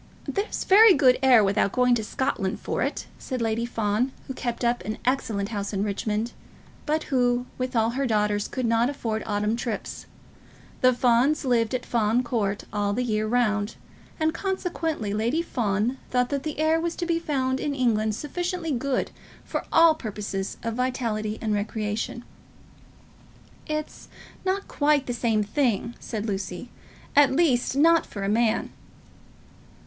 "There's very good air without going to Scotland for it," said Lady Fawn, who kept up an excellent house at Richmond, but who, with all her daughters, could not afford autumn trips. The Fawns lived at Fawn Court all the year round, and consequently Lady Fawn thought that air was to be found in England sufficiently good for all purposes of vitality and recreation. "It's not quite the same thing," said Lucy; "at least, not for a man."